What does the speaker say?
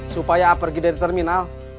supaya pergi dari terminal